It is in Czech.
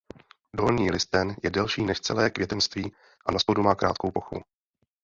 Dolní listen je delší než celé květenství a naspodu má krátkou pochvu.